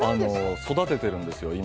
育ててるんですよ